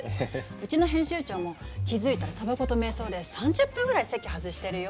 うちの編集長も気付いたらたばこと瞑想で３０分くらい席外してるよ。